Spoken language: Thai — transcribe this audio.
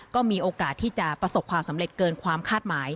ก็มีโอกาสที่จะประสบความสำเร็จเกินความคาดหมาย